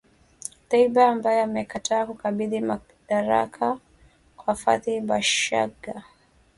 Dbeibah ambaye amekataa kukabidhi madaraka kwa Fathi Bashagha